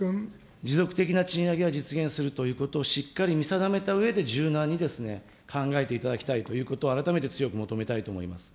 持続的な賃上げは実現するということをしっかり見定めたうえで、柔軟に考えていただきたいということを、改めて強く求めたいと思います。